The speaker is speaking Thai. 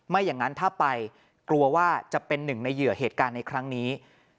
อย่างนั้นถ้าไปกลัวว่าจะเป็นหนึ่งในเหยื่อเหตุการณ์ในครั้งนี้